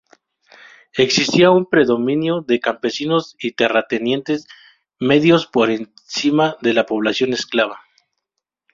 Existía un predominio de campesinos y terratenientes medios por encima de la población esclava.